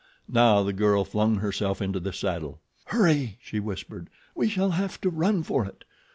Now the girl flung herself into the saddle. "Hurry!" she whispered. "We shall have to run for it.